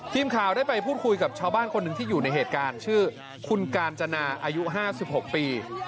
ทีมข่าวได้ไปพูดคุยกับชาวบ้านคนหนึ่งที่อยู่ในเหตุการณ์ชื่อคุณกาญจนาอายุ๕๖ปี